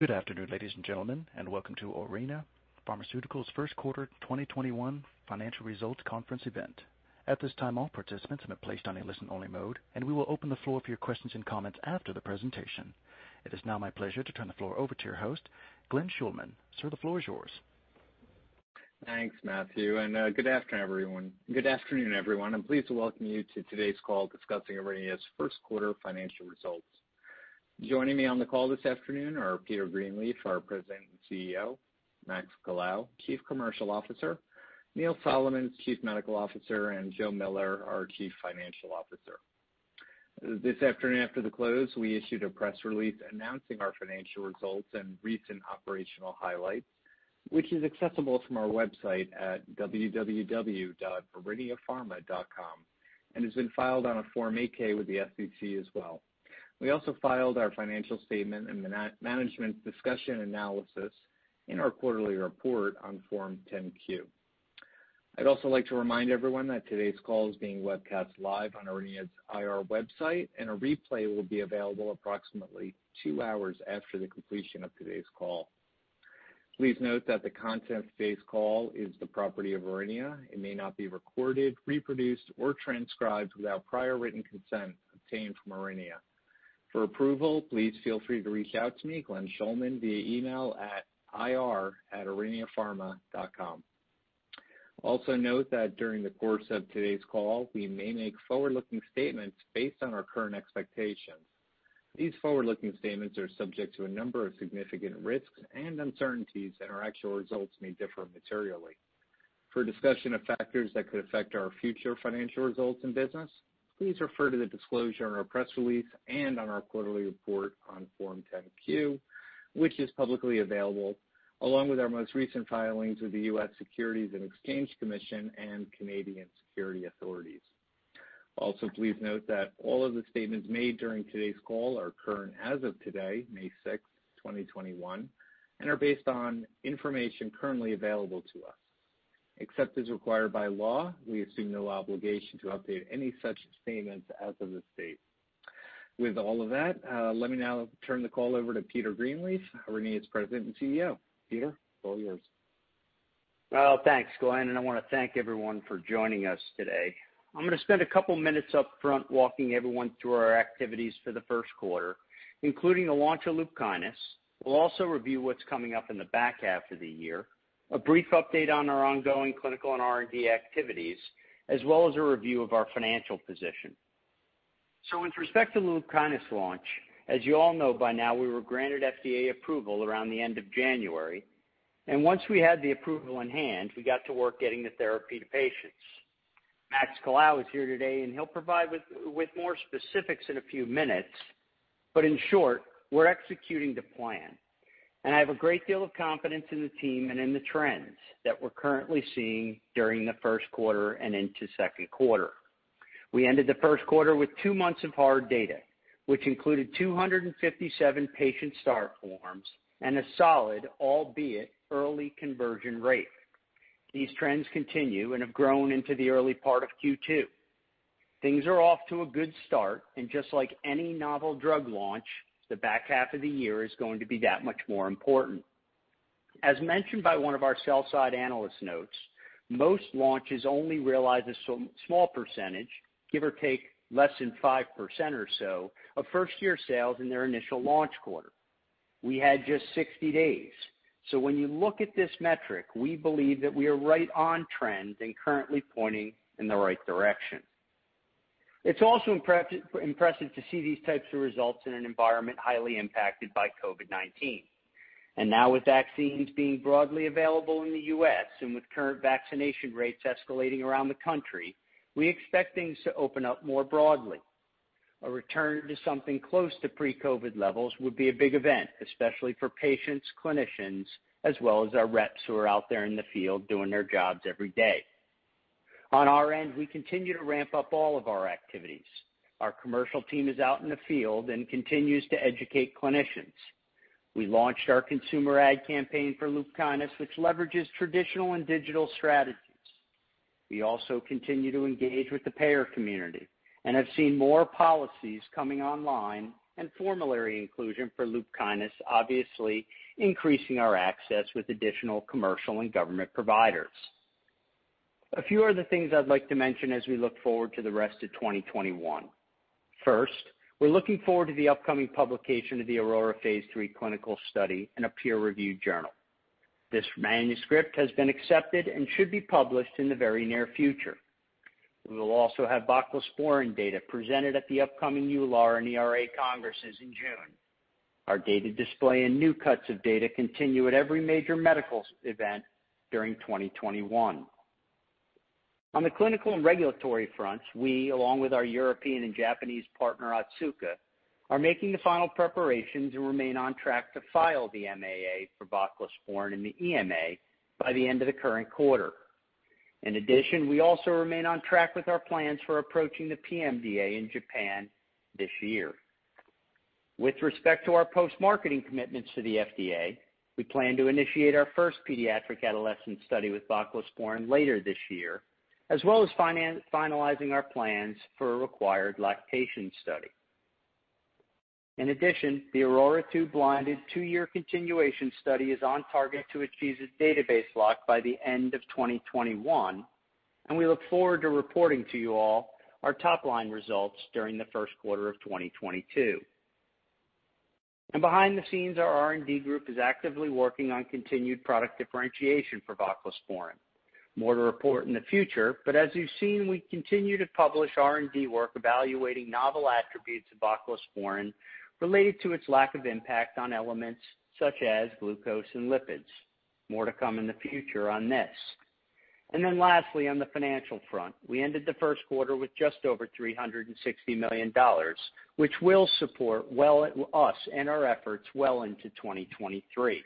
Good afternoon, ladies and gentlemen, and welcome to Aurinia Pharmaceuticals' first quarter 2021 financial results conference event. At this time, all participants have been placed on a listen-only mode. We will open the floor for your questions and comments after the presentation. It is now my pleasure to turn the floor over to your host, Glenn Schulman. Sir, the floor is yours. Thanks, Matthew. Good afternoon, everyone. I'm pleased to welcome you to today's call discussing Aurinia's first quarter financial results. Joining me on the call this afternoon are Peter Greenleaf, our President and CEO, Max Colao, Chief Commercial Officer, Neil Solomons, Chief Medical Officer, and Joe Miller, our Chief Financial Officer. This afternoon after the close, we issued a press release announcing our financial results and recent operational highlights, which is accessible from our website at www.auriniapharma.com and has been filed on a Form 8-K with the SEC as well. We also filed our financial statement and management discussion analysis in our quarterly report on Form 10-Q. I'd also like to remind everyone that today's call is being webcast live on Aurinia's IR website, and a replay will be available approximately two hours after the completion of today's call. Please note that the content of today's call is the property of Aurinia. It may not be recorded, reproduced, or transcribed without prior written consent obtained from Aurinia. For approval, please feel free to reach out to me, Glenn Schulman, via email at ir@auriniapharma.com. Note that during the course of today's call, we may make forward-looking statements based on our current expectations. These forward-looking statements are subject to a number of significant risks and uncertainties, and our actual results may differ materially. For a discussion of factors that could affect our future financial results and business, please refer to the disclosure on our press release and on our quarterly report on Form 10-Q, which is publicly available, along with our most recent filings with the U.S. Securities and Exchange Commission and Canadian securities authorities. Please note that all of the statements made during today's call are current as of today, May 6th, 2021, and are based on information currently available to us. Except as required by law, we assume no obligation to update any such statements as of this date. With all of that, let me now turn the call over to Peter Greenleaf, Aurinia's President and CEO. Peter, all yours. Well, thanks, Glenn, and I want to thank everyone for joining us today. I'm going to spend a couple of minutes upfront walking everyone through our activities for the first quarter, including the launch of LUPKYNIS. We'll also review what's coming up in the back half of the year, a brief update on our ongoing clinical and R&D activities, as well as a review of our financial position. In respect to LUPKYNIS launch, as you all know by now, we were granted FDA approval around the end of January, and once we had the approval in hand, we got to work getting the therapy to patients. Max Colao is here today, and he'll provide with more specifics in a few minutes, but in short, we're executing the plan. I have a great deal of confidence in the team and in the trends that we're currently seeing during the first quarter and into the second quarter. We ended the first quarter with two months of hard data, which included 257 patient start forms and a solid, albeit early, conversion rate. These trends continue and have grown into the early part of Q2. Things are off to a good start, and just like any novel drug launch, the back half of the year is going to be that much more important. As mentioned by one of our sell-side analyst notes, most launches only realize a small percentage, give or take less than 5% or so, of first-year sales in their initial launch quarter. We had just 60 days. When you look at this metric, we believe that we are right on trend and currently pointing in the right direction. It's also impressive to see these types of results in an environment highly impacted by COVID-19. Now with vaccines being broadly available in the U.S. and with current vaccination rates escalating around the country, we expect things to open up more broadly. A return to something close to pre-COVID levels would be a big event, especially for patients, clinicians, as well as our reps who are out there in the field doing their jobs every day. On our end, we continue to ramp up all of our activities. Our commercial team is out in the field and continues to educate clinicians. We launched our consumer ad campaign for LUPKYNIS, which leverages traditional and digital strategies. We also continue to engage with the payer community and have seen more policies coming online and formulary inclusion for LUPKYNIS, obviously increasing our access with additional commercial and government providers. A few other things I'd like to mention as we look forward to the rest of 2021. First, we're looking forward to the upcoming publication of the AURORA phase III clinical study in a peer-reviewed journal. This manuscript has been accepted and should be published in the very near future. We will also have voclosporin data presented at the upcoming EULAR and ERA congresses in June. Our data display and new cuts of data continue at every major medical event during 2021. On the clinical and regulatory fronts, we, along with our European and Japanese partner, Otsuka, are making the final preparations and remain on track to file the MAA for voclosporin in the EMA by the end of the current quarter. In addition, we also remain on track with our plans for approaching the PMDA in Japan this year. With respect to our post-marketing commitments to the FDA, we plan to initiate our first pediatric adolescent study with voclosporin later this year. As well as finalizing our plans for a required lactation study. In addition, the AURORA-2 blinded two-year continuation study is on target to achieve its database lock by the end of 2021, and we look forward to reporting to you all our top-line results during the first quarter of 2022. Behind the scenes, our R&D group is actively working on continued product differentiation for voclosporin. More to report in the future, but as you've seen, we continue to publish R&D work evaluating novel attributes of voclosporin related to its lack of impact on elements such as glucose and lipids. More to come in the future on this. Lastly, on the financial front, we ended the first quarter with just over $360 million, which will support us and our efforts well into 2023.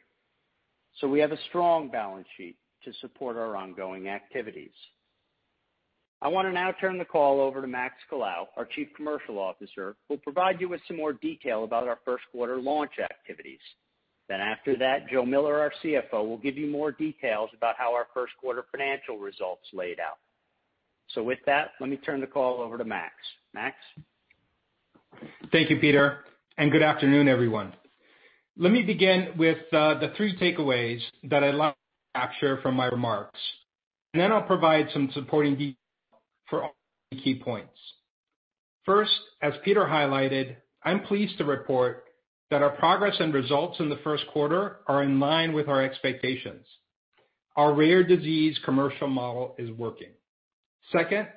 We have a strong balance sheet to support our ongoing activities. I want to now turn the call over to Max Colao, our Chief Commercial Officer, who will provide you with some more detail about our first quarter launch activities. After that, Joe Miller, our CFO, will give you more details about how our first quarter financial results laid out. With that, let me turn the call over to Max. Max? Thank you, Peter. Good afternoon, everyone. Let me begin with the three takeaways that I'd like you to capture from my remarks, and then I'll provide some supporting detail for all the key points. First, as Peter highlighted, I'm pleased to report that our progress and results in the first quarter are in line with our expectations. Our rare disease commercial model is working. Second,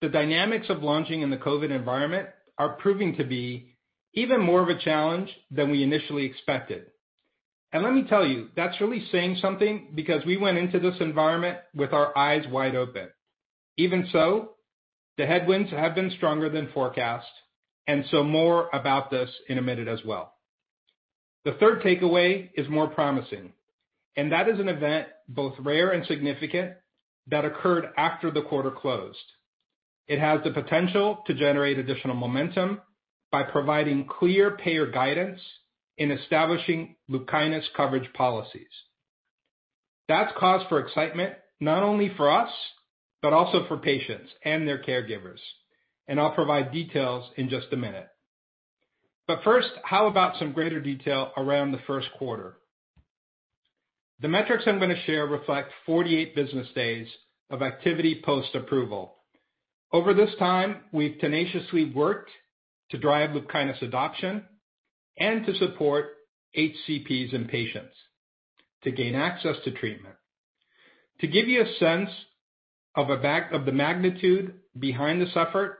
the dynamics of launching in the COVID environment are proving to be even more of a challenge than we initially expected. Let me tell you, that's really saying something because we went into this environment with our eyes wide open. Even so, the headwinds have been stronger than forecast, and so more about this in a minute as well. The third takeaway is more promising, and that is an event both rare and significant that occurred after the quarter closed. It has the potential to generate additional momentum by providing clear payer guidance in establishing LUPKYNIS coverage policies. That's cause for excitement not only for us, but also for patients and their caregivers. I'll provide details in just a minute. First, how about some greater detail around the first quarter? The metrics I'm going to share reflect 48 business days of activity post-approval. Over this time, we've tenaciously worked to drive LUPKYNIS adoption and to support HCPs and patients to gain access to treatment. To give you a sense of the magnitude behind this effort,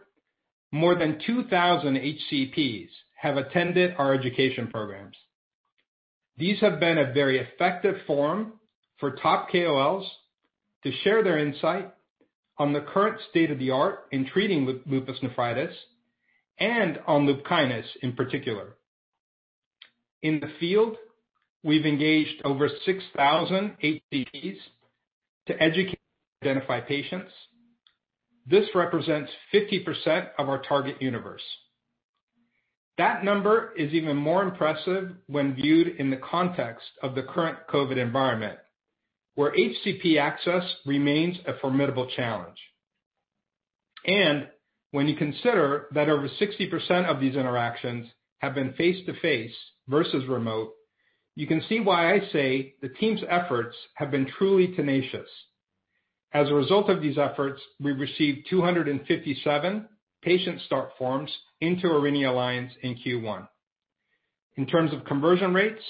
more than 2,000 HCPs have attended our education programs. These have been a very effective forum for top KOLs to share their insight on the current state-of-the-art in treating lupus nephritis and on LUPKYNIS in particular. In the field, we've engaged over 6,000 HCPs to educate and identify patients. This represents 50% of our target universe. That number is even more impressive when viewed in the context of the current COVID environment, where HCP access remains a formidable challenge. When you consider that over 60% of these interactions have been face-to-face versus remote, you can see why I say the team's efforts have been truly tenacious. As a result of these efforts, we received 257 patient start forms into Aurinia Alliance in Q1. In terms of conversion rates,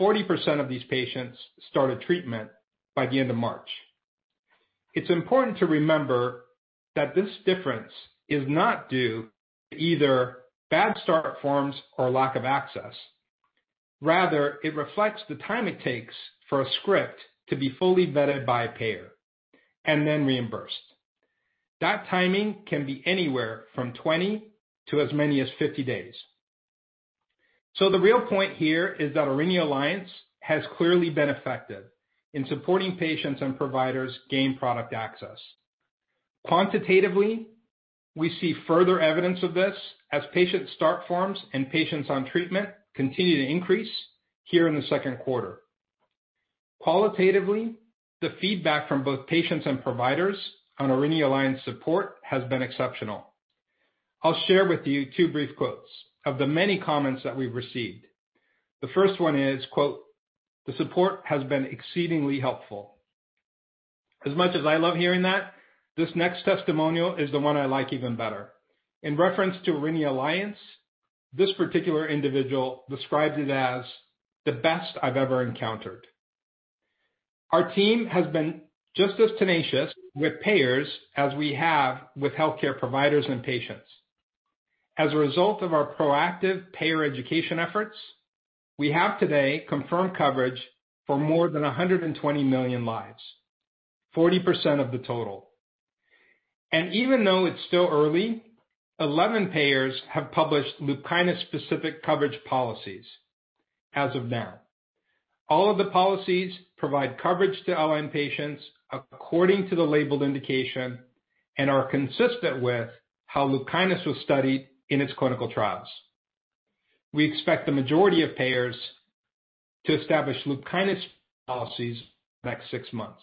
40% of these patients started treatment by the end of March. It's important to remember that this difference is not due to either bad start forms or lack of access. Rather, it reflects the time it takes for a script to be fully vetted by a payer and then reimbursed. That timing can be anywhere from 20 to as many as 50 days. The real point here is that Aurinia Alliance has clearly been effective in supporting patients and providers gain product access. Quantitatively, we see further evidence of this as patient start forms and patients on treatment continue to increase here in the second quarter. Qualitatively, the feedback from both patients and providers on Aurinia Alliance support has been exceptional. I'll share with you two brief quotes of the many comments that we've received. The first one is, quote, "The support has been exceedingly helpful." As much as I love hearing that, this next testimonial is the one I like even better. In reference to Aurinia Alliance, this particular individual describes it as, "The best I've ever encountered." Our team has been just as tenacious with payers as we have with healthcare providers and patients. As a result of our proactive payer education efforts, we have today confirmed coverage for more than 120 million lives, 40% of the total. Even though it's still early, 11 payers have published LUPKYNIS specific coverage policies as of now. All of the policies provide coverage to LN patients according to the labeled indication and are consistent with how LUPKYNIS was studied in its clinical trials. We expect the majority of payers to establish LUPKYNIS policies in the next six months.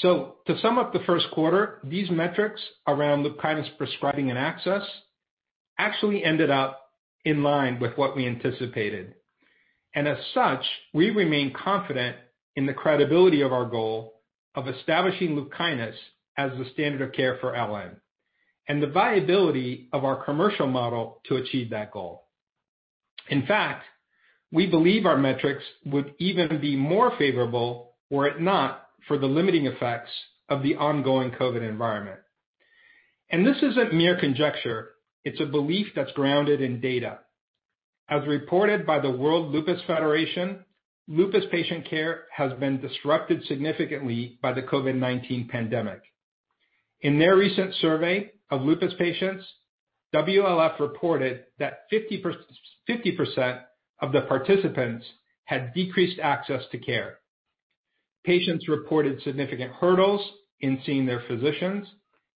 To sum up the first quarter, these metrics around LUPKYNIS prescribing and access actually ended up in line with what we anticipated. As such, we remain confident in the credibility of our goal of establishing LUPKYNIS as the standard of care for LN and the viability of our commercial model to achieve that goal. In fact, we believe our metrics would even be more favorable were it not for the limiting effects of the ongoing COVID-19 environment. This isn't mere conjecture. It's a belief that's grounded in data. As reported by the World Lupus Federation, lupus patient care has been disrupted significantly by the COVID-19 pandemic. In their recent survey of lupus patients, WLF reported that 50% of the participants had decreased access to care. Patients reported significant hurdles in seeing their physicians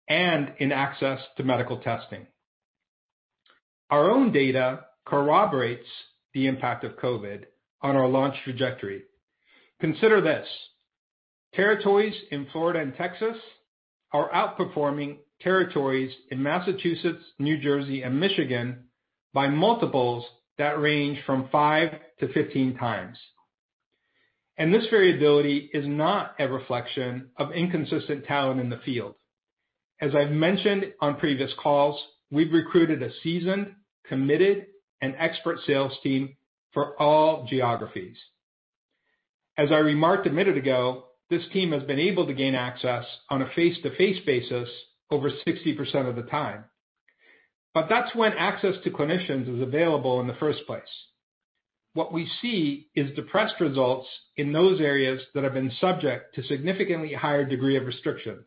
and in access to medical testing. Our own data corroborates the impact of COVID-19 on our launch trajectory. Consider this. Territories in Florida and Texas are outperforming territories in Massachusetts, New Jersey, and Michigan by multiples that range from 5-15 times. This variability is not a reflection of inconsistent talent in the field. As I've mentioned on previous calls, we've recruited a seasoned, committed, and expert sales team for all geographies. As I remarked a minute ago, this team has been able to gain access on a face-to-face basis over 60% of the time. That's when access to clinicians is available in the first place. What we see is depressed results in those areas that have been subject to significantly higher degree of restrictions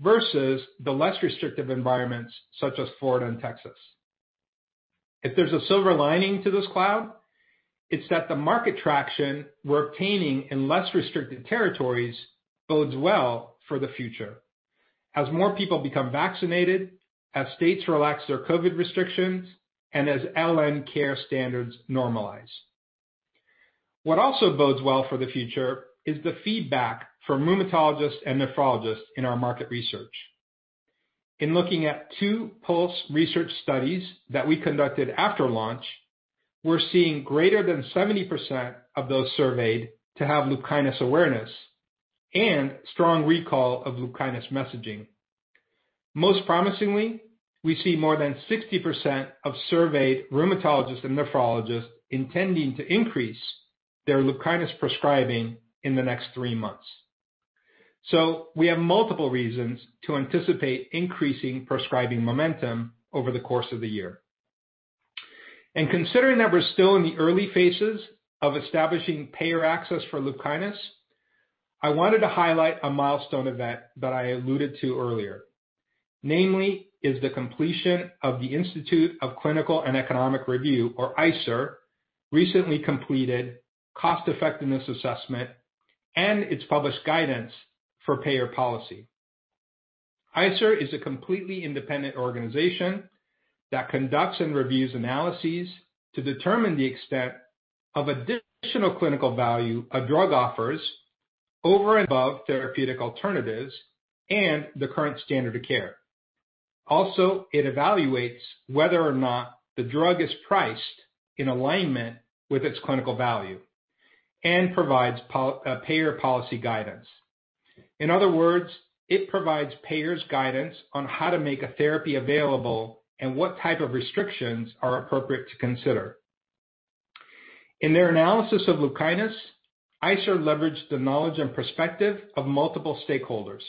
versus the less restrictive environments such as Florida and Texas. If there's a silver lining to this cloud, it's that the market traction we're obtaining in less restricted territories bodes well for the future. As more people become vaccinated, as states relax their COVID restrictions, as LN care standards normalize. What also bodes well for the future is the feedback from rheumatologists and nephrologists in our market research. In looking at two pulse research studies that we conducted after launch, we're seeing greater than 70% of those surveyed to have LUPKYNIS awareness and strong recall of LUPKYNIS messaging. Most promisingly, we see more than 60% of surveyed rheumatologists and nephrologists intending to increase their LUPKYNIS prescribing in the next three months. We have multiple reasons to anticipate increasing prescribing momentum over the course of the year. Considering that we're still in the early phases of establishing payer access for LUPKYNIS, I wanted to highlight a milestone event that I alluded to earlier. Namely is the completion of the Institute for Clinical and Economic Review, or ICER, recently completed cost-effectiveness assessment and its published guidance for payer policy. ICER is a completely independent organization that conducts and reviews analyses to determine the extent of additional clinical value a drug offers over and above therapeutic alternatives and the current standard of care. It evaluates whether or not the drug is priced in alignment with its clinical value and provides payer policy guidance. In other words, it provides payers guidance on how to make a therapy available and what type of restrictions are appropriate to consider. In their analysis of LUPKYNIS, ICER leveraged the knowledge and perspective of multiple stakeholders.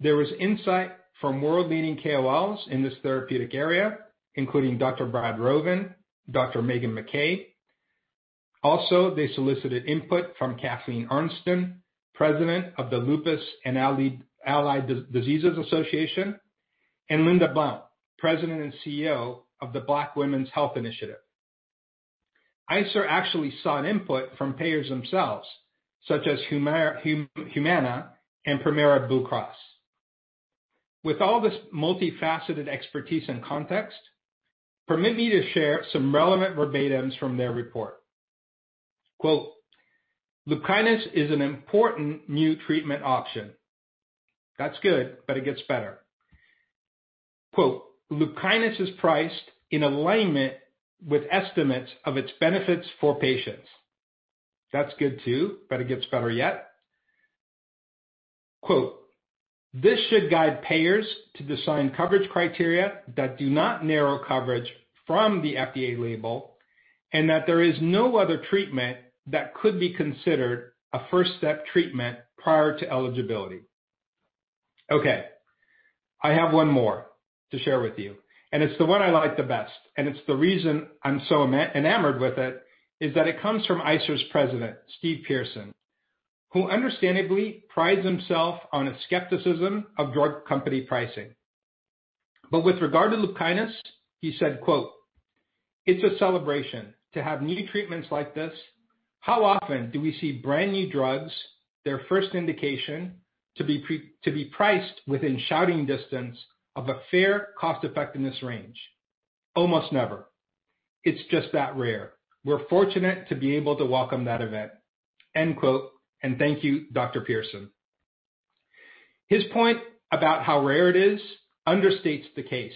There was insight from world-leading KOLs in this therapeutic area, including Dr. Brad Rovin, Dr. Meggan MacKay. They solicited input from Kathleen Arntsen, President of the Lupus and Allied Diseases Association, Inc., and Linda Goler Blount, President and CEO of the Black Women's Health Imperative. ICER actually sought input from payers themselves, such as Humana and Premera Blue Cross. With all this multifaceted expertise and context, permit me to share some relevant verbatims from their report. Quote, "LUPKYNIS is an important new treatment option." That's good, but it gets better. Quote, "LUPKYNIS is priced in alignment with estimates of its benefits for patients." That's good too, but it gets better yet. Quote, "This should guide payers to design coverage criteria that do not narrow coverage from the FDA label and that there is no other treatment that could be considered a first-step treatment prior to eligibility." Okay, I have one more to share with you, and it's the one I like the best, and it's the reason I'm so enamored with it is that it comes from ICER's president, Steve Pearson, who understandably prides himself on his skepticism of drug company pricing. With regard to LUPKYNIS, he said, quote, "It's a celebration to have new treatments like this. How often do we see brand new drugs, their first indication, to be priced within shouting distance of a fair cost-effectiveness range? Almost never. It's just that rare. We're fortunate to be able to welcome that event." End quote, and thank you, Dr. Pearson. His point about how rare it is understates the case.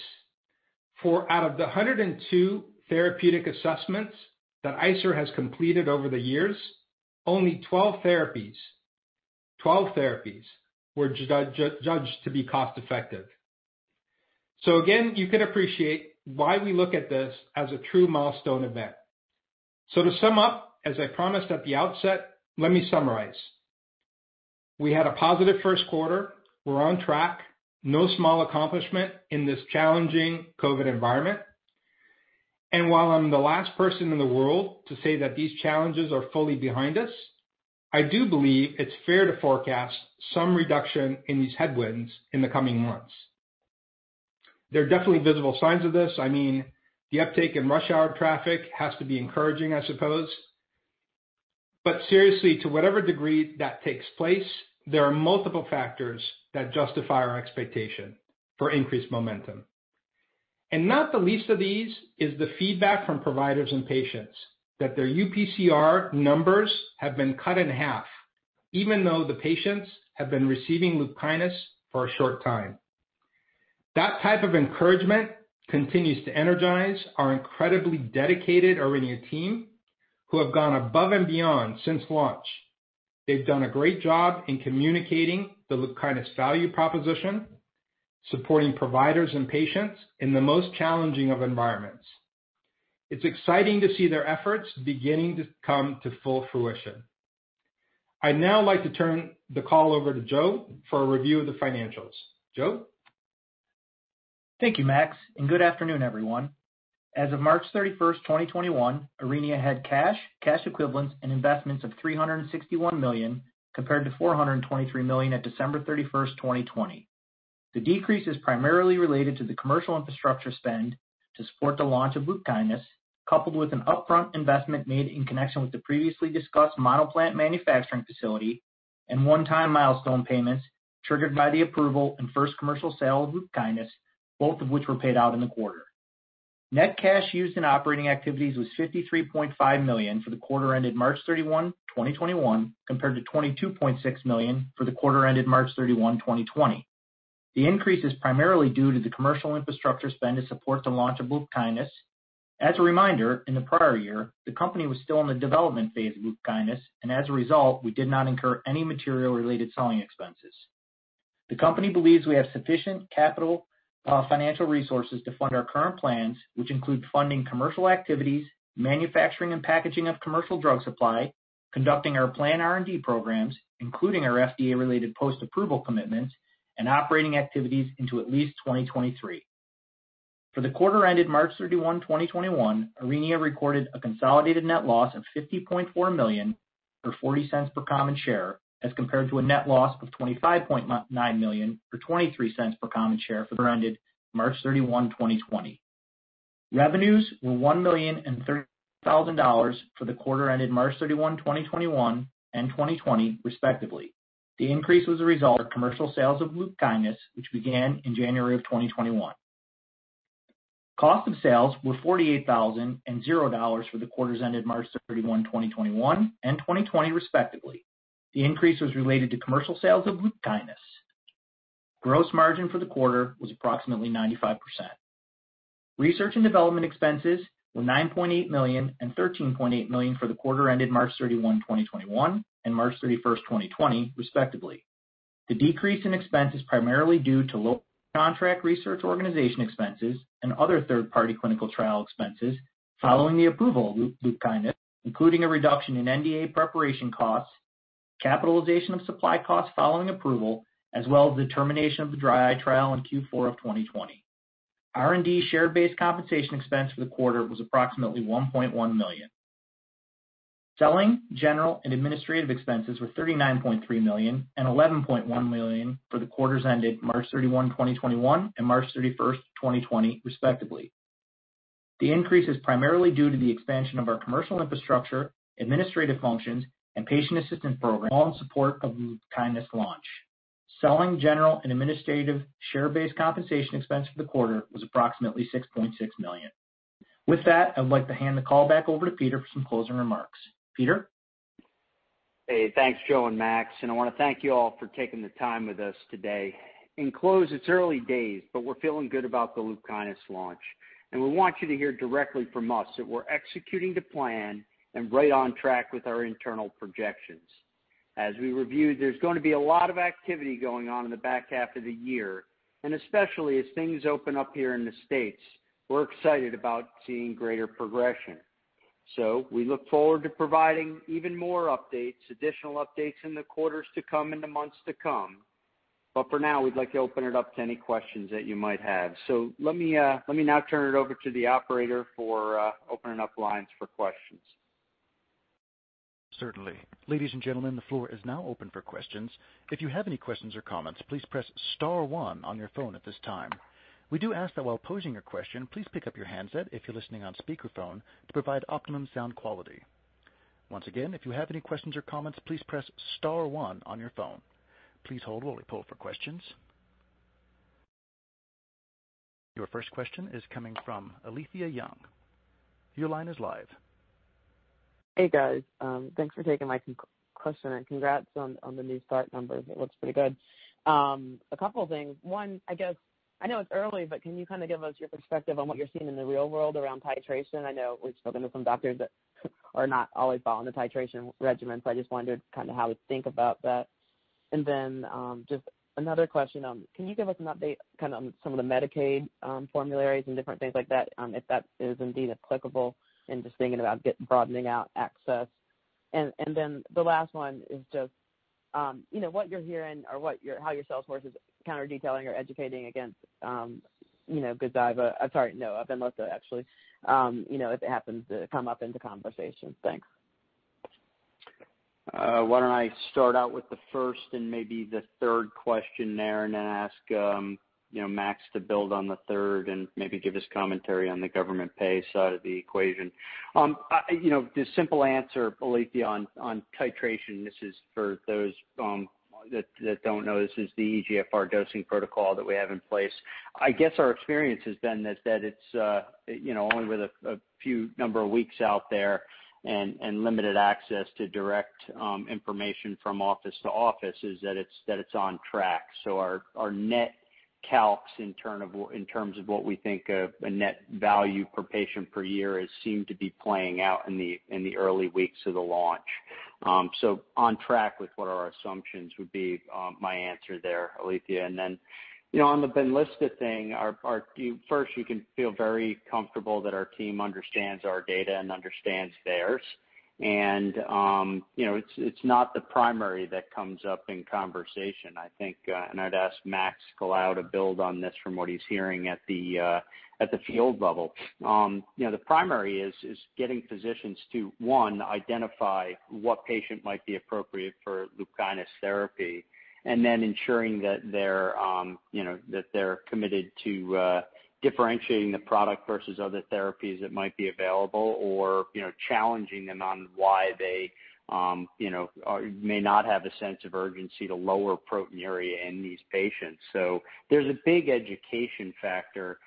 Out of the 102 therapeutic assessments that ICER has completed over the years, only 12 therapies were judged to be cost-effective. Again, you can appreciate why we look at this as a true milestone event. To sum up, as I promised at the outset, let me summarize. We had a positive first quarter. We're on track. No small accomplishment in this challenging COVID environment. While I'm the last person in the world to say that these challenges are fully behind us, I do believe it's fair to forecast some reduction in these headwinds in the coming months. There are definitely visible signs of this. The uptick in rush hour traffic has to be encouraging, I suppose. Seriously, to whatever degree that takes place, there are multiple factors that justify our expectation for increased momentum. Not the least of these is the feedback from providers and patients that their UPCR numbers have been cut in half, even though the patients have been receiving LUPKYNIS for a short time. That type of encouragement continues to energize our incredibly dedicated Aurinia team who have gone above and beyond since launch. They've done a great job in communicating the LUPKYNIS value proposition, supporting providers and patients in the most challenging of environments. It's exciting to see their efforts beginning to come to full fruition. I'd now like to turn the call over to Joe for a review of the financials. Joe? Thank you, Max. Good afternoon, everyone. As of March 31st, 2021, Aurinia had cash equivalents, and investments of $361 million, compared to $423 million at December 31st, 2020. The decrease is primarily related to the commercial infrastructure spend to support the launch of LUPKYNIS, coupled with an upfront investment made in connection with the previously discussed monoplant manufacturing facility and one-time milestone payments triggered by the approval and first commercial sale of LUPKYNIS, both of which were paid out in the quarter. Net cash used in operating activities was $53.5 million for the quarter ended March 31, 2021, compared to $22.6 million for the quarter ended March 31, 2020. The increase is primarily due to the commercial infrastructure spend to support the launch of LUPKYNIS. As a reminder, in the prior year, the company was still in the development phase of LUPKYNIS, and as a result, we did not incur any material related selling expenses. The company believes we have sufficient capital financial resources to fund our current plans, which include funding commercial activities, manufacturing and packaging of commercial drug supply, conducting our planned R&D programs, including our FDA-related post-approval commitments, and operating activities into at least 2023. For the quarter ended March 31, 2021, Aurinia recorded a consolidated net loss of $50.4 million, or $0.40 per common share, as compared to a net loss of $25.9 million or $0.23 per common share for the year ended March 31, 2020. Revenues were $1,030,000 for the quarter ended March 31, 2021 and 2020, respectively. The increase was a result of commercial sales of LUPKYNIS, which began in January of 2021. Cost of sales were $48,000 and $0 for the quarters ended March 31, 2021 and 2020, respectively. The increase was related to commercial sales of LUPKYNIS. Gross margin for the quarter was approximately 95%. Research and development expenses were $9.8 million and $13.8 million for the quarter ended March 31, 2021 and March 31, 2020, respectively. The decrease in expense is primarily due to lower contract research organization expenses and other third-party clinical trial expenses following the approval of LUPKYNIS, including a reduction in NDA preparation costs, capitalization of supply costs following approval, as well as the termination of the dry eye trial in Q4 of 2020. R&D share-based compensation expense for the quarter was approximately $1.1 million. Selling, general, and administrative expenses were $39.3 million and $11.1 million for the quarters ended March 31, 2021 and March 31, 2020, respectively. The increase is primarily due to the expansion of our commercial infrastructure, administrative functions, and patient assistance program, all in support of LUPKYNIS launch. Selling, general, and administrative share-based compensation expense for the quarter was approximately $6.6 million. With that, I would like to hand the call back over to Peter for some closing remarks. Peter? Hey, thanks, Joe and Max. I want to thank you all for taking the time with us today. In close, it's early days. We're feeling good about the LUPKYNIS launch. We want you to hear directly from us that we're executing to plan and right on track with our internal projections. As we reviewed, there's going to be a lot of activity going on in the back half of the year, especially as things open up here in the U.S., we're excited about seeing greater progression. We look forward to providing even more updates, additional updates in the quarters to come, in the months to come. For now, we'd like to open it up to any questions that you might have. Let me now turn it over to the operator for opening up lines for questions. Certainly. Ladies and gentlemen, the floor is now open for questions. If you have any questions or comments, please press star one on your phone at this time. We do ask that while posing your question, please pick up your handset if you're listening on speakerphone to provide optimum sound quality. Once again, if you have any questions or comments, please press star one on your phone. Please hold while we pull for questions. Your first question is coming from Alethea Young. Your line is live. Hey, guys. Thanks for taking my question and congrats on the new start numbers. It looks pretty good. A couple things. One, I know it's early, but can you give us your perspective on what you're seeing in the real world around titration? I know we've spoken to some doctors that are not always following the titration regimen. I just wondered how we think about that. Just another question. Can you give us an update on some of the Medicaid formularies and different things like that, if that is indeed applicable, and just thinking about broadening out access. The last one is just what you're hearing or how your sales force is counter-detailing or educating against BENLYSTA, if it happens to come up into conversations. Thanks. Why don't I start out with the first and maybe the third question there and then ask Max to build on the third and maybe give his commentary on the government pay side of the equation. The simple answer, Alethea, on titration, this is for those that don't know, this is the eGFR dosing protocol that we have in place. I guess our experience has been is that it's only with a few number of weeks out there and limited access to direct information from office to office, is that it's on track. Our net calcs in terms of what we think of a net value per patient per year seem to be playing out in the early weeks of the launch. On track with what our assumptions would be my answer there, Alethea. On the BENLYSTA thing, first, we can feel very comfortable that our team understands our data and understands theirs. It's not the primary that comes up in conversation, I think, and I'd ask Max Colao to build on this from what he's hearing at the field level. The primary is getting physicians to, one, identify what patient might be appropriate for LUPKYNIS therapy and then ensuring that they're committed to differentiating the product versus other therapies that might be available or challenging them on why they may not have a sense of urgency to lower proteinuria in these patients. There's a big education factor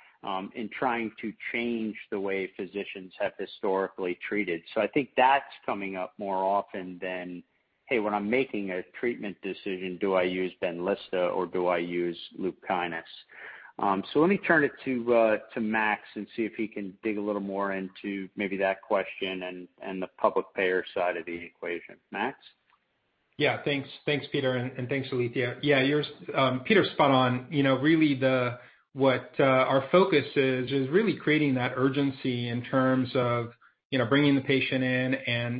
in trying to change the way physicians have historically treated. I think that's coming up more often than, "Hey, when I'm making a treatment decision, do I use BENLYSTA or do I use LUPKYNIS?" Let me turn it to Max and see if he can dig a little more into maybe that question and the public payer side of the equation. Max? Thanks, Peter, and thanks, Alethea. Peter's spot on. Really what our focus is really creating that urgency in terms of bringing the patient in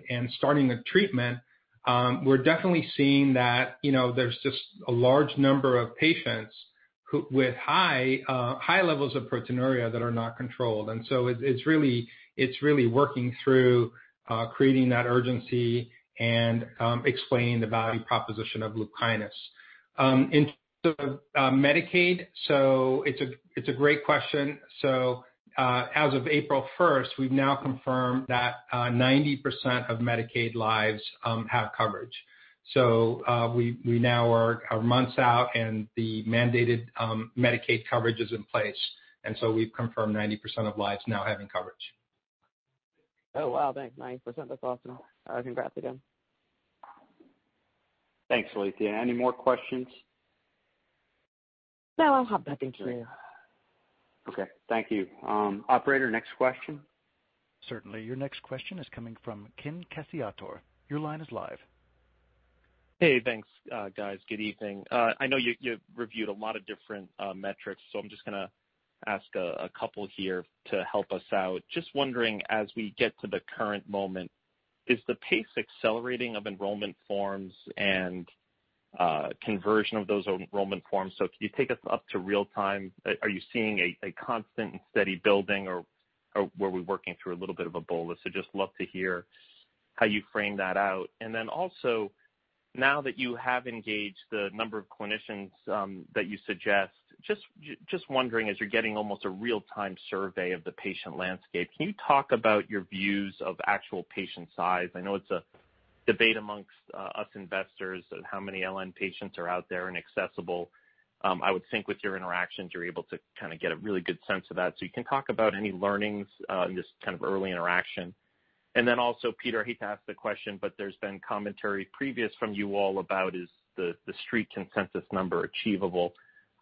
and starting a treatment. We're definitely seeing that there's just a large number of patients with high levels of proteinuria that are not controlled. It's really working through creating that urgency and explaining the value proposition of LUPKYNIS. In terms of Medicaid, it's a great question. As of April 1st, we've now confirmed that 90% of Medicaid lives have coverage. We now are months out and the mandated Medicaid coverage is in place, we've confirmed 90% of lives now having coverage. Oh, wow. Thanks. 90%, that's awesome. Congrats again. Thanks, Alethea. Any more questions? No, I'm happy. Thank you. Okay. Thank you. Operator, next question. Certainly. Your next question is coming from Ken Cacciatore. Your line is live. Hey. Thanks, guys. Good evening. I know you've reviewed a lot of different metrics, so I'm just going to ask a couple here to help us out. Just wondering, as we get to the current moment, is the pace accelerating of enrollment forms and conversion of those enrollment forms? Can you take us up to real time? Are you seeing a constant and steady building or were we working through a little bit of a bolus? Just love to hear how you frame that out. Also, now that you have engaged the number of clinicians that you suggest, just wondering as you're getting almost a real-time survey of the patient landscape, can you talk about your views of actual patient size? I know it's a debate amongst us investors of how many LN patients are out there and accessible. I would think with your interactions, you're able to get a really good sense of that. You can talk about any learnings in this kind of early interaction. Also, Peter, he'd asked the question. There's been commentary previous from you all about is the street consensus number achievable.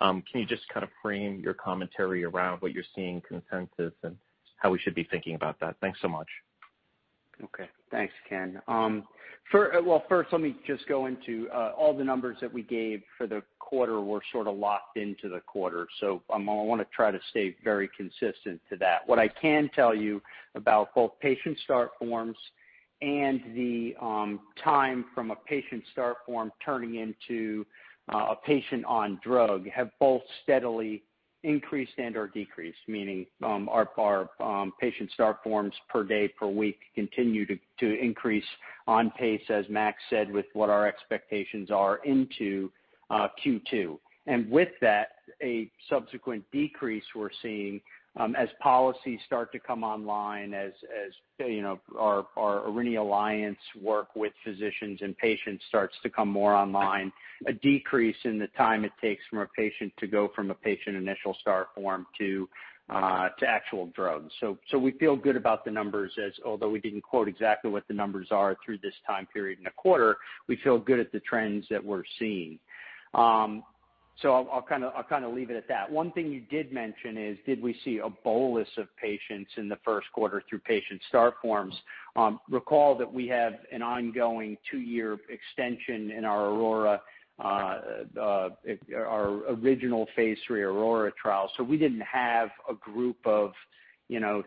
Can you just kind of frame your commentary around what you're seeing consensus and how we should be thinking about that? Thanks so much. Okay. Thanks, Ken. Well, first let me just go into all the numbers that we gave for the quarter were sort of locked into the quarter. I want to try to stay very consistent to that. What I can tell you about both patient start forms and the time from a patient start form turning into a patient on drug have both steadily increased and/or decreased, meaning our patient start forms per day, per week, continue to increase on pace, as Max said, with what our expectations are into Q2. With that, a subsequent decrease we're seeing as policies start to come online, as our Aurinia Alliance work with physicians and patients starts to come more online, a decrease in the time it takes from a patient to go from a patient initial start form to actual drugs. We feel good about the numbers as, although we didn't quote exactly what the numbers are through this time period in a quarter, we feel good at the trends that we're seeing. I'll leave it at that. One thing you did mention is, did we see a bolus of patients in the first quarter through patient start forms? Recall that we have an ongoing two-year extension in our original phase III AURORA trial. We didn't have a group of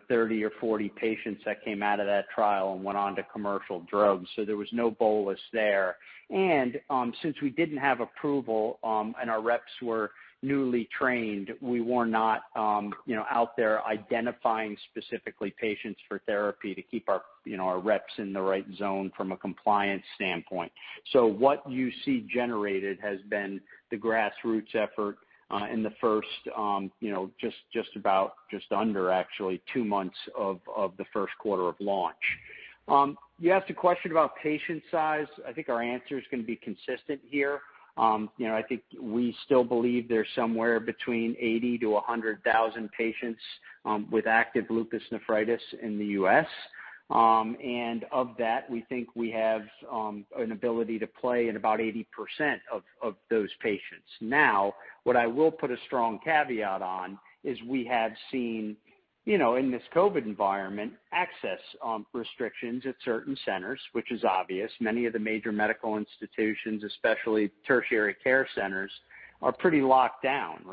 30 or 40 patients that came out of that trial and went on to commercial drugs, so there was no bolus there. Since we didn't have approval, and our reps were newly trained, we were not out there identifying specifically patients for therapy to keep our reps in the right zone from a compliance standpoint. What you see generated has been the grassroots effort in the first just under actually two months of the first quarter of launch. You asked a question about patient size. I think our answer is going to be consistent here. I think we still believe there's somewhere between 80,000-100,000 patients with active lupus nephritis in the U.S. Of that, we think we have an ability to play in about 80% of those patients. What I will put a strong caveat on is we have seen, in this COVID environment, access restrictions at certain centers, which is obvious. Many of the major medical institutions, especially tertiary care centers, are pretty locked down.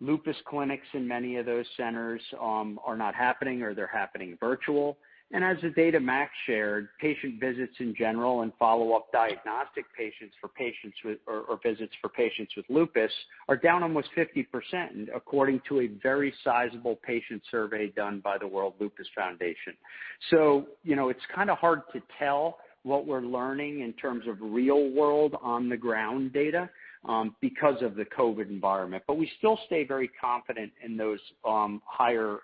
Lupus clinics in many of those centers are not happening, or they're happening virtual. As the data Max shared, patient visits in general and follow-up diagnostic patients for patients with, or visits for patients with lupus are down almost 50%, according to a very sizable patient survey done by the World Lupus Federation. It's kind of hard to tell what we're learning in terms of real-world, on-the-ground data, because of the COVID environment. We still stay very confident in those higher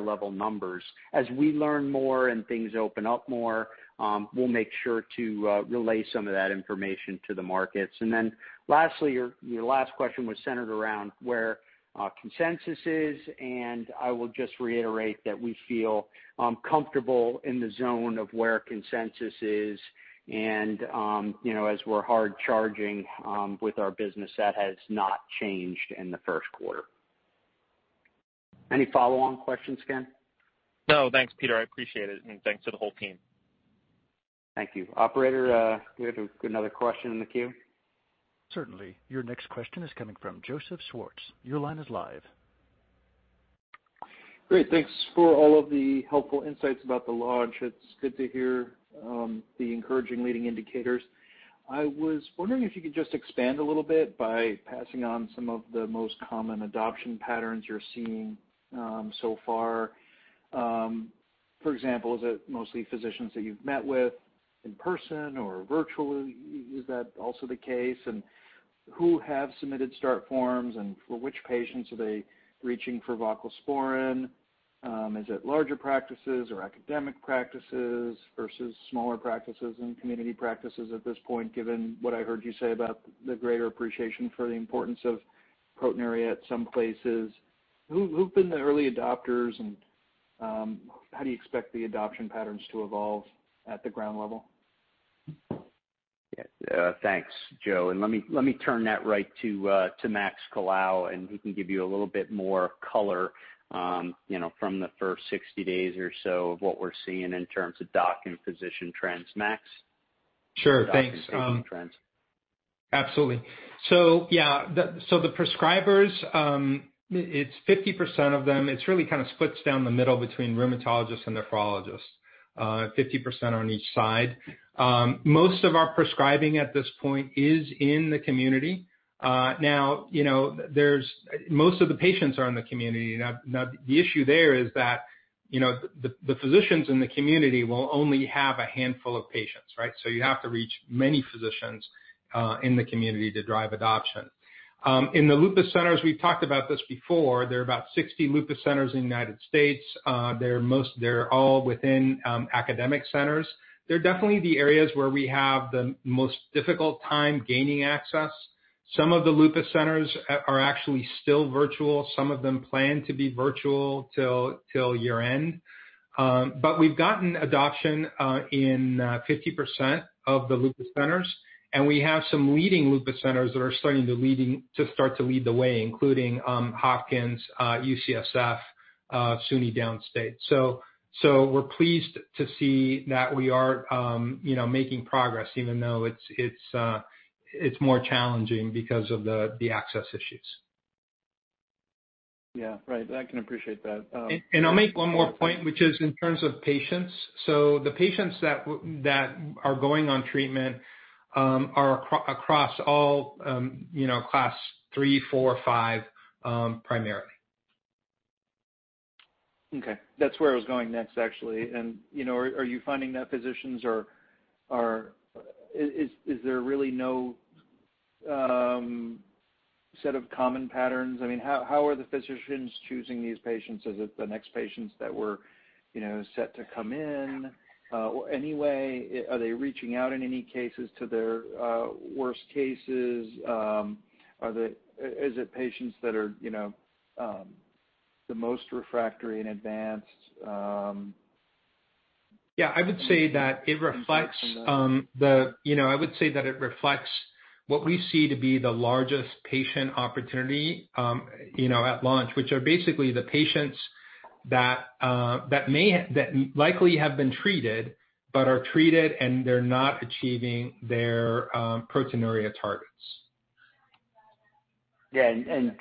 level numbers. As we learn more and things open up more, we'll make sure to relay some of that information to the markets. Lastly, your last question was centered around where consensus is, and I will just reiterate that we feel comfortable in the zone of where consensus is and as we're hard charging with our business, that has not changed in the first quarter. Any follow-on questions, Ken? No. Thanks, Peter. I appreciate it, and thanks to the whole team. Thank you. Operator, do we have another question in the queue? Certainly. Your next question is coming from Joseph Schwartz. Your line is live. Great. Thanks for all of the helpful insights about the launch. It's good to hear the encouraging leading indicators. I was wondering if you could just expand a little bit by passing on some of the most common adoption patterns you're seeing so far. For example, is it mostly physicians that you've met with in person or virtual? Is that also the case? Who have submitted start forms and for which patients are they reaching for voclosporin? Is it larger practices or academic practices versus smaller practices and community practices at this point, given what I heard you say about the greater appreciation for the importance of proteinuria at some places? Who've been the early adopters and how do you expect the adoption patterns to evolve at the ground level? Yeah. Thanks, Joe. Let me turn that right to Max Colao, and he can give you a little bit more color from the first 60 days or so of what we're seeing in terms of doc and physician trends. Max? Sure. Thanks. Doc and physician trends. Absolutely. The prescribers, it's 50% of them. It really kind of splits down the middle between rheumatologists and nephrologists, 50% on each side. Most of our prescribing at this point is in the community. Most of the patients are in the community. The issue there is that the physicians in the community will only have a handful of patients. You have to reach many physicians in the community to drive adoption. In the lupus centers, we've talked about this before, there are about 60 lupus centers in the U.S. They're all within academic centers. They're definitely the areas where we have the most difficult time gaining access. Some of the lupus centers are actually still virtual. Some of them plan to be virtual till year-end. We've gotten adoption in 50% of the lupus centers, and we have some leading lupus centers that are starting to lead the way, including Johns Hopkins, UCSF, SUNY Downstate. We're pleased to see that we are making progress even though it's more challenging because of the access issues. Yeah. Right. I can appreciate that. I'll make one more point, which is in terms of patients. The patients that are going on treatment are across all class three, four, five, primarily. Okay. That's where I was going next, actually. Are you finding that physicians are is there really no set of common patterns? I mean, how are the physicians choosing these patients? Is it the next patients that were set to come in anyway? Are they reaching out in any cases to their worst cases? Is it patients that are the most refractory and advanced? Yeah, I would say that it reflects what we see to be the largest patient opportunity at launch, which are basically the patients that likely have been treated, but are treated and they're not achieving their proteinuria targets. Yeah.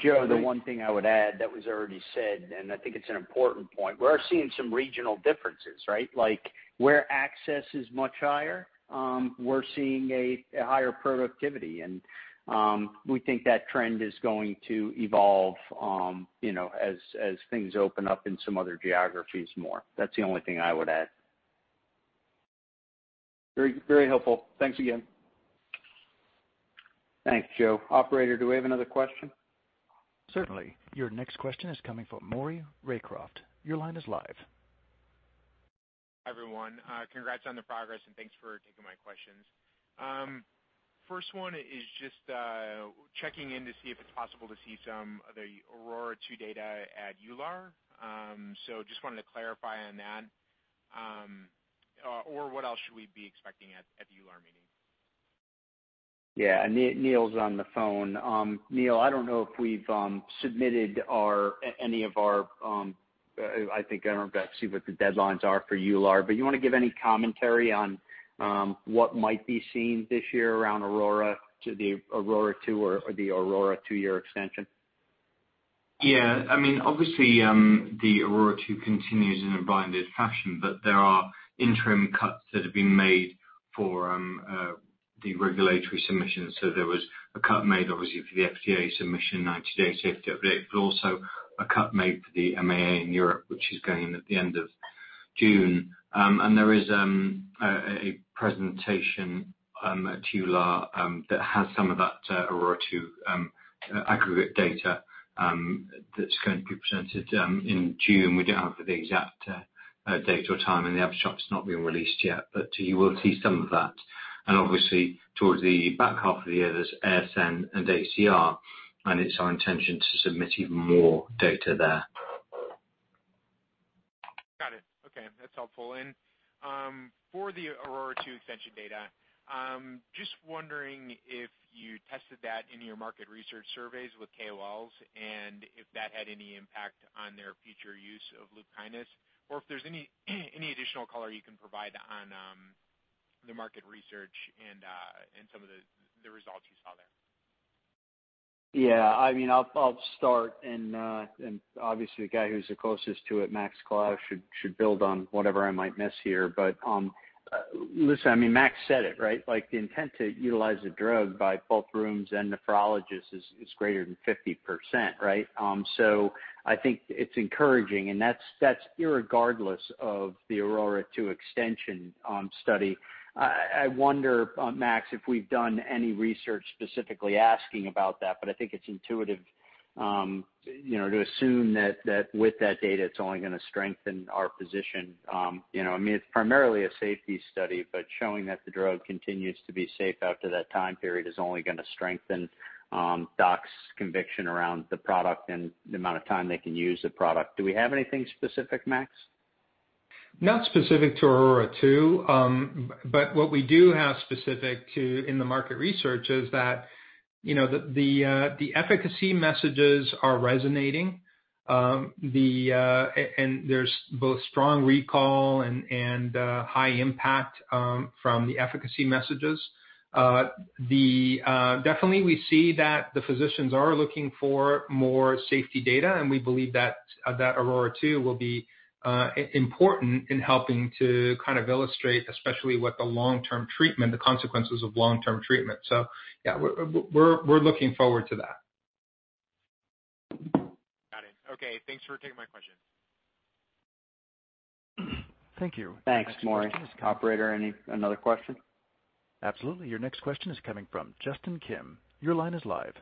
Joe, the one thing I would add that was already said, and I think it's an important point, we are seeing some regional differences, right? Like where access is much higher, we're seeing a higher productivity. We think that trend is going to evolve as things open up in some other geographies more. That's the only thing I would add. Very helpful. Thanks again. Thanks, Joe. Operator, do we have another question? Certainly. Your next question is coming from Maury Raycroft. Your line is live. Hi, everyone. Congrats on the progress, and thanks for taking my questions. First one is just checking in to see if it's possible to see some of the AURORA 2 data at EULAR. Just wanted to clarify on that. What else should we be expecting at the EULAR meeting? Yeah. Neil's on the phone. Neil, I don't know if we've submitted any of our. I'm going to have to see what the deadlines are for EULAR. You want to give any commentary on what might be seen this year around AURORA to the AURORA 2 or the AURORA 2-year extension? Yeah. I mean, obviously, AURORA 2 continues in a blinded fashion, but there are interim cuts that have been made for the regulatory submissions. There was a cut made, obviously, for the FDA submission 90-day safety update, but also a cut made for the MAA in Europe, which is going in at the end of June. There is a presentation at EULAR that has some of that AURORA 2 aggregate data that's going to be presented in June. We don't have the exact date or time, the abstract has not been released yet, but you will see some of that. Obviously, towards the back half of the year, there's ASN and ACR, and it's our intention to submit even more data there. Got it. Okay. That's helpful. For the AURORA 2 extension data, just wondering if you tested that in your market research surveys with KOLs and if that had any impact on their future use of LUPKYNIS, or if there's any additional color you can provide on the market research and some of the results you saw there. Yeah. I'll start and obviously the guy who's the closest to it, Max Colao, should build on whatever I might miss here. Listen, Max said it, right? Like the intent to utilize the drug by both rheums and nephrologists is greater than 50%. Right? I think it's encouraging, and that's irregardless of the AURORA 2 extension study. I wonder, Max, if we've done any research specifically asking about that, but I think it's intuitive to assume that with that data, it's only going to strengthen our position. It's primarily a safety study, but showing that the drug continues to be safe after that time period is only going to strengthen docs' conviction around the product and the amount of time they can use the product. Do we have anything specific, Max? Not specific to AURORA-2. What we do have specific to in the market research is that the efficacy messages are resonating. There's both strong recall and high impact from the efficacy messages. Definitely, we see that the physicians are looking for more safety data, and we believe that AURORA-2 will be important in helping to kind of illustrate especially what the long-term treatment, the consequences of long-term treatment. Yeah, we're looking forward to that. Got it. Okay. Thanks for taking my question. Thank you. Thanks, Maury. Operator, another question? Absolutely. Your next question is coming from Justin Kim. Your line is live.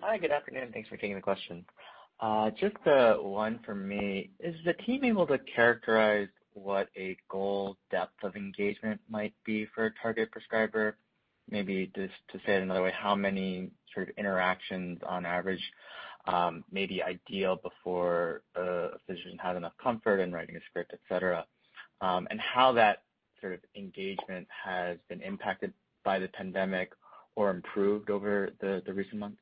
Hi. Good afternoon. Thanks for taking the question. Just one for me. Is the team able to characterize what a goal depth of engagement might be for a target prescriber? Maybe just to say it another way, how many sort of interactions on average may be ideal before a physician has enough comfort in writing a script, et cetera, and how that sort of engagement has been impacted by the pandemic or improved over the recent months?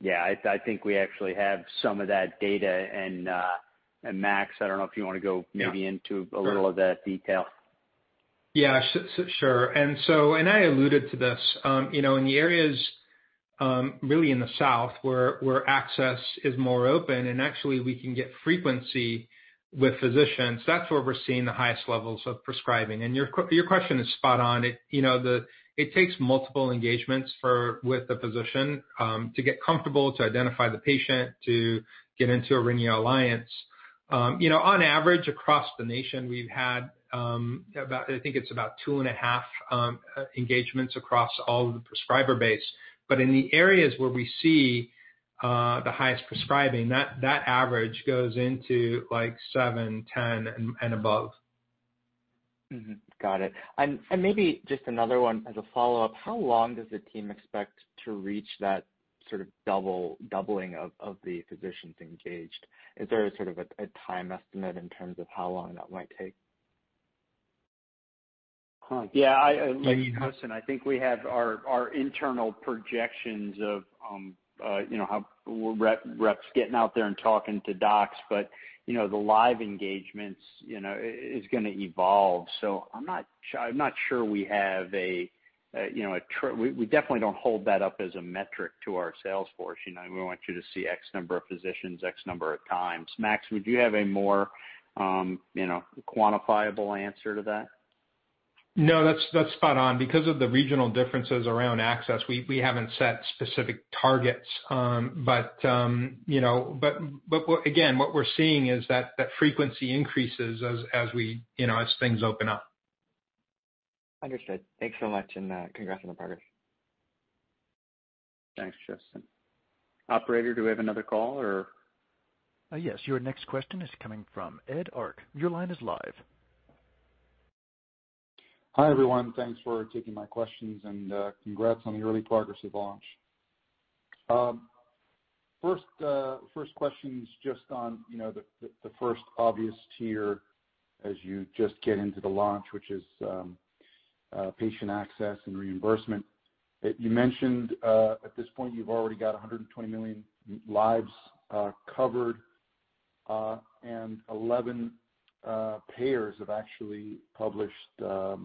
Yeah, I think we actually have some of that data, Max, I don't know if you want to go maybe into a little of that detail. Yeah, sure. I alluded to this. In the areas really in the South where access is more open and actually we can get frequency with physicians, that's where we're seeing the highest levels of prescribing. Your question is spot on. It takes multiple engagements with the physician to get comfortable, to identify the patient, to get into Aurinia Alliance. On average, across the nation, we've had, I think it's about two and a half engagements across all of the prescriber base. In the areas where we see the highest prescribing, that average goes into seven, 10, and above. Got it. Maybe just another one as a follow-up, how long does the team expect to reach that sort of doubling of the physicians engaged? Is there a time estimate in terms of how long that might take? Yeah. Justin, I think we have our internal projections of how reps getting out there and talking to docs, but the live engagements is going to evolve. I'm not sure we have. We definitely don't hold that up as a metric to our sales force. We want you to see X number of physicians X number of times. Max, would you have a more quantifiable answer to that? No, that's spot on. Because of the regional differences around access, we haven't set specific targets. Again, what we're seeing is that frequency increases as things open up. Understood. Thanks so much, and congrats on the progress. Thanks, Justin. Operator, do we have another call, or? Yes. Your next question is coming from Ed Arce. Your line is live. Hi, everyone. Thanks for taking my questions and congrats on the early progress of launch. First question is just on the first obvious tier as you just get into the launch, which is patient access and reimbursement. You mentioned at this point you've already got 120 million lives covered and 11 payers have actually published the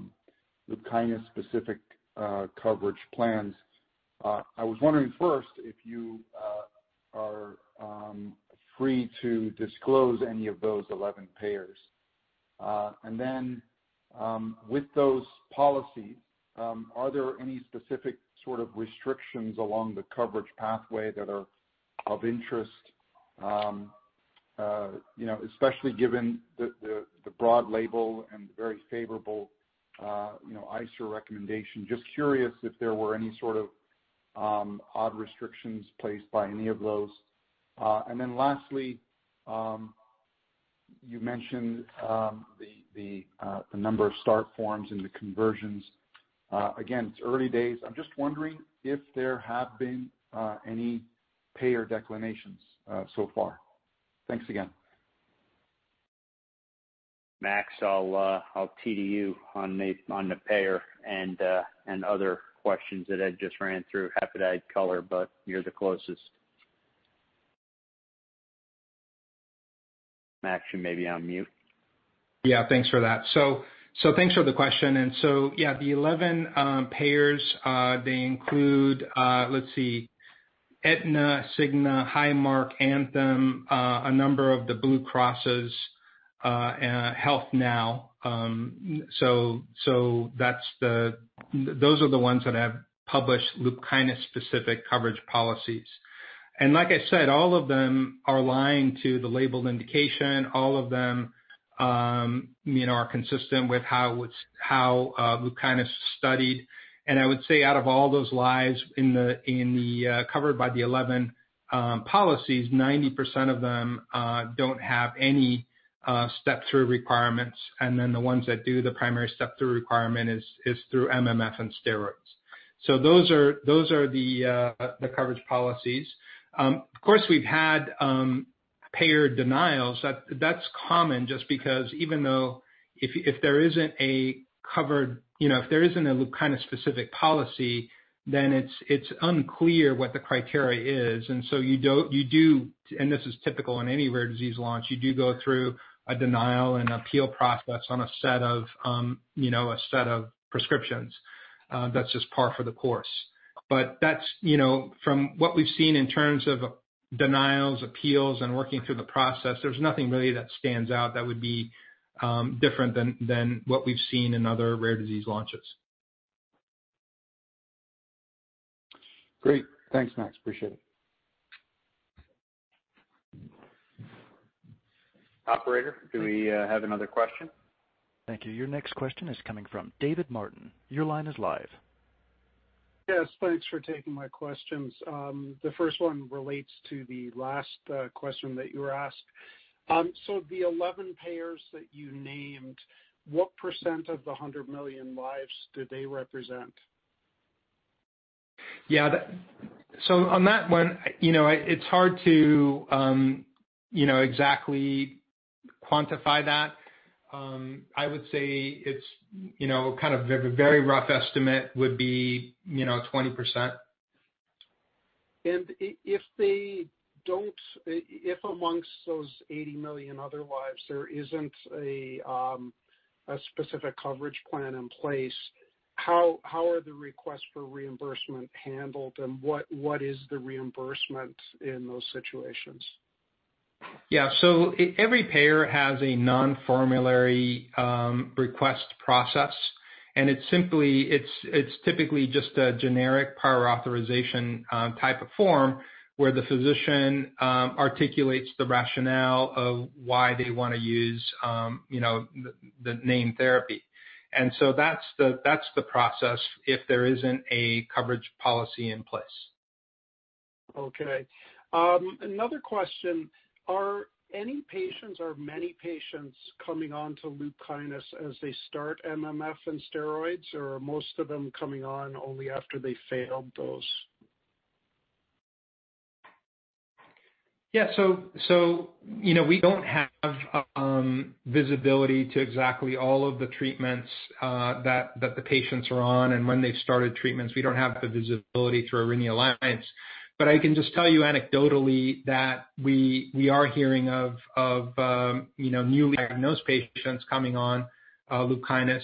kind of specific coverage plans. I was wondering first if you are free to disclose any of those 11 payers. With those policies, are there any specific sort of restrictions along the coverage pathway that are of interest especially given the broad label and the very favorable ICER recommendation? Just curious if there were any sort of odd restrictions placed by any of those. Lastly, you mentioned the number of start forms and the conversions. Again, it's early days. I'm just wondering if there have been any payer declinations so far. Thanks again. Max, I'll TD you on the payer and other questions that Ed just ran through. Happy to add color, but you're the closest. Max, you may be on mute. Yeah, thanks for that. Thanks for the question. Yeah, the 11 payers they include let's see, Aetna, Cigna, Highmark, Anthem, a number of the Blue Crosses, HealthNow. Those are the ones that have published LUPKYNIS specific coverage policies. Like I said, all of them are aligned to the labeled indication. All of them are consistent with how LUPKYNIS studied. I would say out of all those lives covered by the 11 policies, 90% of them don't have any step-through requirements. The ones that do the primary step-through requirement is through MMF and steroids. Those are the coverage policies. Of course, we've had payer denials. That's common just because even though if there isn't a LUPKYNIS specific policy, then it's unclear what the criteria is. This is typical in any rare disease launch. You do go through a denial and appeal process on a set of prescriptions. That's just par for the course. From what we've seen in terms of denials, appeals, and working through the process, there's nothing really that stands out that would be different than what we've seen in other rare disease launches. Great. Thanks, Max. Appreciate it. Operator, do we have another question? Thank you. Your next question is coming from David Martin. Your line is live. Yes, thanks for taking my questions. The first one relates to the last question that you were asked. The 11 payers that you named, what % of the 100 million lives do they represent? Yeah. On that one, it's hard to exactly quantify that. I would say a very rough estimate would be 20%. If amongst those 80 million other lives, there isn't a specific coverage plan in place, how are the requests for reimbursement handled, and what is the reimbursement in those situations? Yeah. Every payer has a non-formulary request process, and it's typically just a generic prior authorization type of form where the physician articulates the rationale of why they want to use the name therapy. That's the process if there isn't a coverage policy in place. Okay. Another question. Are any patients or many patients coming on to LUPKYNIS as they start MMF and steroids, or are most of them coming on only after they failed those? We don't have visibility to exactly all of the treatments that the patients are on and when they've started treatments. We don't have the visibility through Aurinia lens. I can just tell you anecdotally that we are hearing of newly diagnosed patients coming on LUPKYNIS,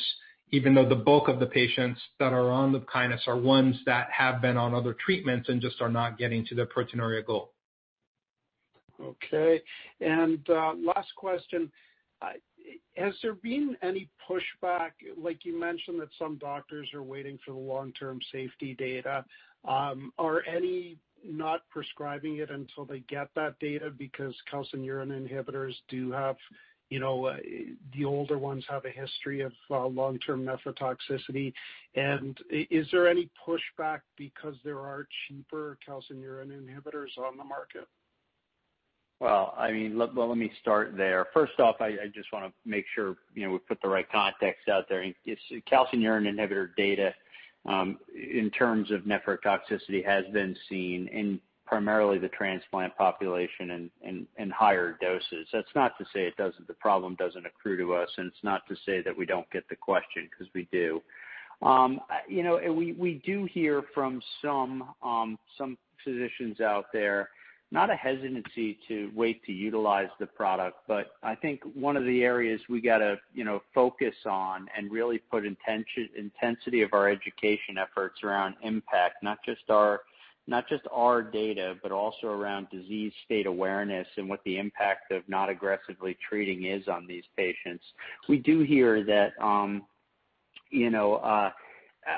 even though the bulk of the patients that are on LUPKYNIS are ones that have been on other treatments and just are not getting to their proteinuria goal. Okay. Last question. Has there been any pushback, like you mentioned that some doctors are waiting for the long-term safety data. Are any not prescribing it until they get that data? Calcineurin inhibitors, the older ones have a history of long-term nephrotoxicity. Is there any pushback because there are cheaper calcineurin inhibitors on the market? Well, let me start there. First off, I just want to make sure we put the right context out there. calcineurin inhibitor data, in terms of nephrotoxicity, has been seen in primarily the transplant population in higher doses. That's not to say the problem doesn't accrue to us, and it's not to say that we don't get the question, because we do. We do hear from some physicians out there, not a hesitancy to wait to utilize the product. I think one of the areas we got to focus on and really put intensity of our education efforts around impact, not just our data, but also around disease state awareness and what the impact of not aggressively treating is on these patients. We do hear that,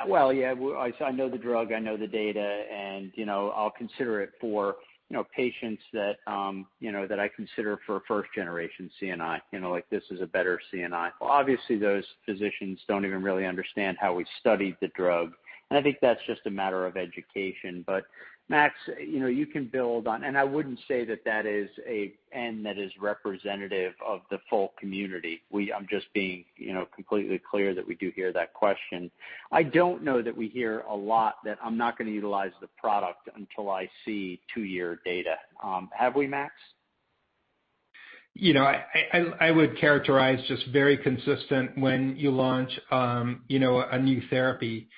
"Well, yeah, I know the drug, I know the data, and I'll consider it for patients that I consider for a first-generation CNI, like this is a better CNI." Well, obviously, those physicians don't even really understand how we studied the drug, and I think that's just a matter of education. Max, you can build on. I wouldn't say that is representative of the full community. I'm just being completely clear that we do hear that question. I don't know that we hear a lot that "I'm not going to utilize the product until I see two-year data." Have we, Max? I would characterize just very consistent when you launch a new therapy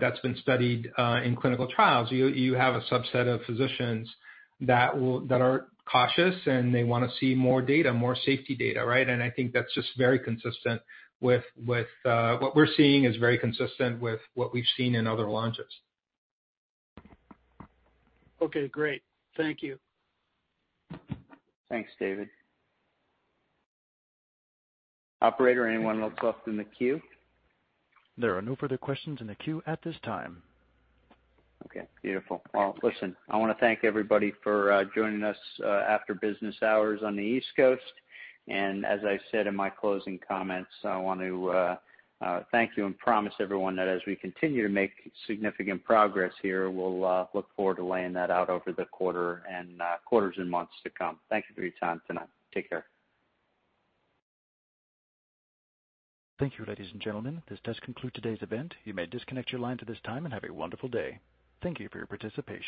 that's been studied in clinical trials. You have a subset of physicians that are cautious, and they want to see more data, more safety data, right? I think what we're seeing is very consistent with what we've seen in other launches. Okay, great. Thank you. Thanks, David. Operator, anyone else up in the queue? There are no further questions in the queue at this time. Okay, beautiful. Well, listen, I want to thank everybody for joining us after business hours on the East Coast. As I said in my closing comments, I want to thank you and promise everyone that as we continue to make significant progress here, we'll look forward to laying that out over the quarter and quarters and months to come. Thank you for your time tonight. Take care. Thank you, ladies and gentlemen. This does conclude today's event. You may disconnect your line at this time, and have a wonderful day. Thank you for your participation.